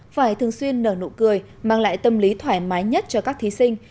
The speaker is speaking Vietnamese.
phải thường xuyên nở nụ cười mang lại tâm lý thoải mái nhất cho các thí sinh